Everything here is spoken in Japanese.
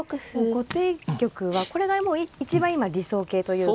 後手玉はこれがもう一番今理想型というか。